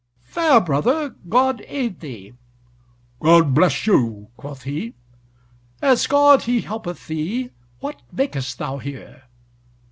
"Fair brother, God aid thee." "God bless you," quoth he. "As God he helpeth thee, what makest thou here?"